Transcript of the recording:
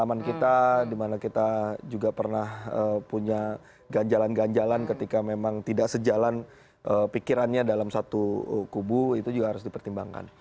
pengalaman kita dimana kita juga pernah punya ganjalan ganjalan ketika memang tidak sejalan pikirannya dalam satu kubu itu juga harus dipertimbangkan